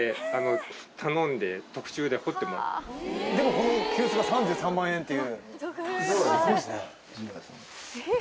この急須が３３万円っていう。